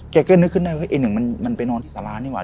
แกก็นึกขึ้นได้ว่าไอ้หนึ่งมันไปนอนที่สารานี่ว่